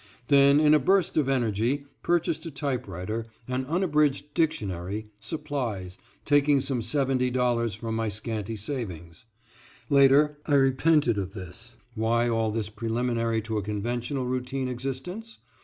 Then in a burst of energy purchased a typewriter, an unabridged dictionary, supplies, taking some $70 from my scanty savings. Later I repented of this, why all this preliminary to a conventional, routine existence?